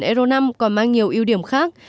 euro năm còn mang nhiều ưu điểm khác